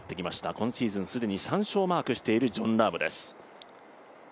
今シーズン、既に３勝をマークしているジョン・ラームです。